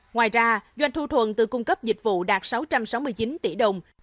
ngoài ra doanh thu thuần từ cung cấp dịch vụ đạt sáu trăm sáu mươi chín tỷ đồng